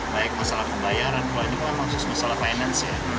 baik masalah pembayaran masalah finance ya